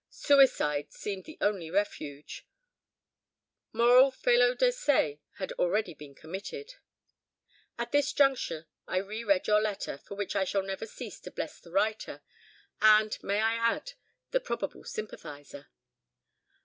Suicide seemed the only refuge. Moral felo de se had already been committed. "At this juncture I re read your letter, for which I shall never cease to bless the writer, and, may I add, the probable sympathiser?